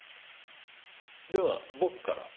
では僕から。